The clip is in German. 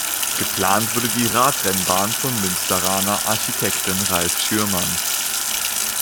Geplant wurde die Radrennbahn vom Münsteraner Architekten Ralph Schürmann.